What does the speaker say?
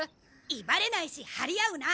威張れないし張り合うな！